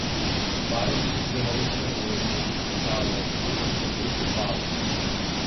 Парубки кинулись на злодія і стали бити куди попало.